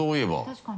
確かに。